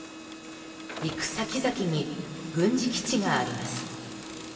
行く先々に軍事基地があります。